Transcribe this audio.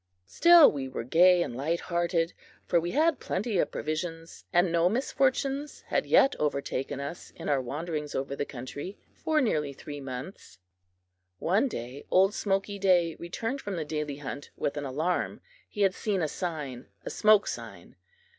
Still we were gay and lighthearted, for we had plenty of provisions, and no misfortune had yet overtaken us in our wanderings over the country for nearly three months. One day old Smoky Day returned from the daily hunt with an alarm. He had seen a sign a "smoke sign."